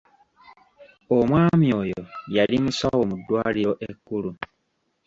Omwami oyo yali musawo mu ddwaliro ekkulu.